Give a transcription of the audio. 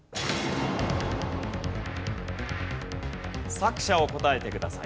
作者を答えてください。